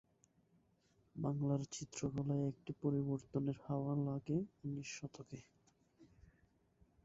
বাংলার চিত্রকলায় একটি পরিবর্তনের হাওয়া লাগে উনিশ শতকে।